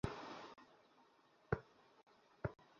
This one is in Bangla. তোমাদেরকে কি কিছুই শিখাইনি?